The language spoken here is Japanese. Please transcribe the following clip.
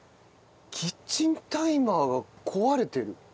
キッチンタイマーが壊れてる？